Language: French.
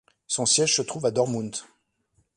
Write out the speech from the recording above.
Son siège se trouve à Dortmund.